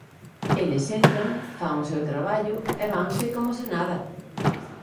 Eles entran, fan o seu traballo e vanse como se nada.